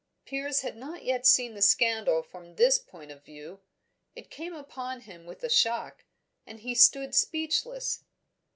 Piers had not yet seen the scandal from this point of view. It came upon him with a shock, and he stood speechless.